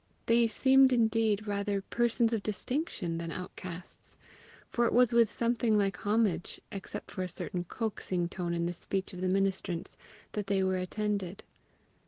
They seemed indeed rather persons of distinction than outcasts; for it was with something like homage, except for a certain coaxing tone in the speech of the ministrants, that they were attended.